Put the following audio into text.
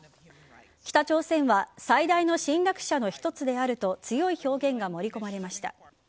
北朝鮮は最大の侵略者の一つであると強い表現が盛り込まれました。